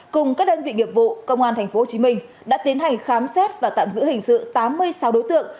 cùng các đơn vị nghiệp vụ công an tp hcm đã tiến hành khám xét và tạm giữ hình sự tám mươi sáu đối tượng